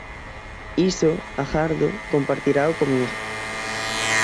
Iso, agardo, compartirao comigo.